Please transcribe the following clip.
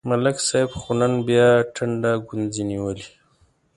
ملک صاحب خو نن بیا ټنډه گونځې نیولې